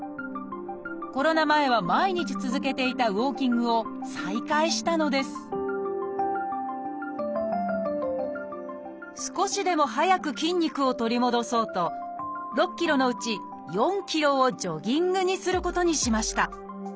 コロナ前は毎日続けていた少しでも早く筋肉を取り戻そうと６キロのうち４キロをジョギングにすることにしました。